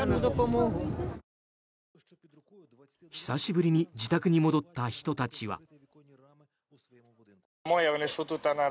久しぶりに自宅に戻った人たちは。